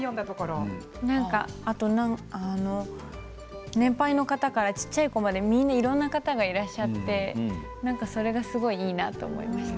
あと、なんか年配の方から小っちゃい子までいろんな方がいらっしゃってそれがすごくいいなと思いました。